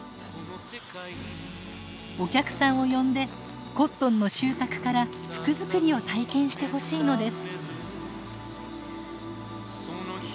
お客さんを呼んでコットンの収穫から服作りを体験してほしいのです。